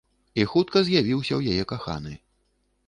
І хутка з'явіўся ў яе каханы.